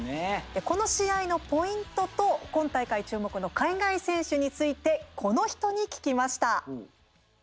この試合のポイントと今大会、注目の海外選手についてこの人に聞きました。